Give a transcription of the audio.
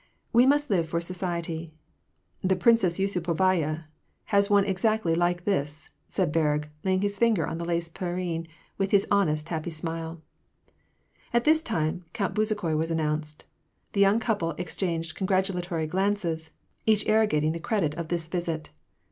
We must live for society." The Princess Yusupovaya has one exactly like this," said Berg, laying his finger on the lace pelerine, with his honest, happy smile. At this time, Count Bezukhoi was announced. The young couple exchanged congratulatory glances, each arrogating the credit of this visit.